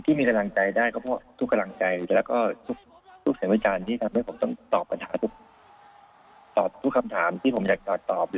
ที่มีกำลังใจได้ก็เพราะทุกกำลังใจแล้วก็ทุกเสียงวิจารณ์ที่ทำให้ผมต้องตอบปัญหาทุกตอบทุกคำถามที่ผมอยากจะตอบ